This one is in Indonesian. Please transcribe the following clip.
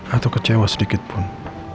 atau kecewa sedikitpun